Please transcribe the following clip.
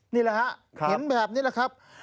นี่แหละฮะเห็นแบบนี้แหละครับ